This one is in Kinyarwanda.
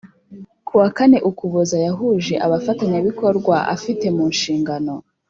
kuwa kane Ukuboza yahuje abafatanyabikorwa afite mu nshingano